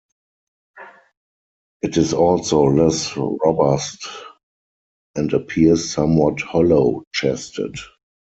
It is also less robust, and appears somewhat hollow-chested.